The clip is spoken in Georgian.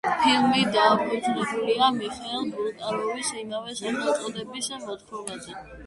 ფილმი დაფუძნებულია მიხეილ ბულგაკოვის ამავე სახელწოდების მოთხრობაზე.